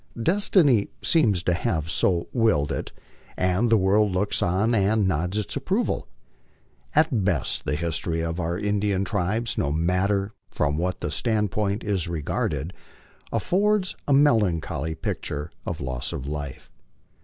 Destiny seems to have so willed tt, and the world looks on and nods its approval. At best the history of our Indian tribes, no matter from what standpoint it is regarded, affords a melan choly picture of loss of life.